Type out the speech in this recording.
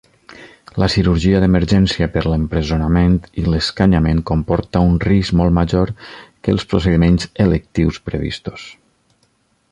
La cirurgia d'emergència per l'empresonament i l'escanyament comporta un risc molt major que els procediments "electius" previstos.